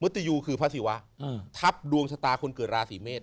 ตยูคือพระศิวะทับดวงชะตาคนเกิดราศีเมษ